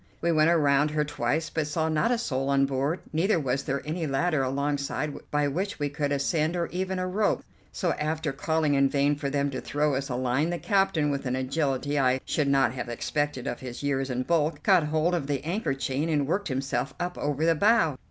We went around her twice, but saw not a soul on board, neither was there any ladder alongside by which we could ascend, or even a rope; so, after calling in vain for them to throw us a line, the captain, with an agility I should not have expected of his years and bulk, caught hold of the anchor chain and worked himself up over the bow.